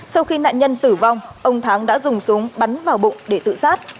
sau khi nạn nhân tử vong ông thắng đã dùng súng bắn vào bụng để tự sát